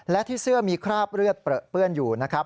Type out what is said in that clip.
และที่เสื้อมีคราบเลือดเปลือเปื้อนอยู่นะครับ